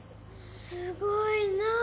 すごいなあ。